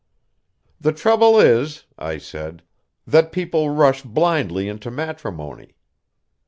"The trouble is," I said, "that people rush blindly into matrimony.